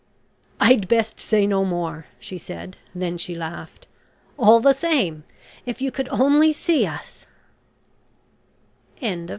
"I'd best say no more," she said. Then she laughed. "All the same, if you only could see us " CHAPTER SEVEN.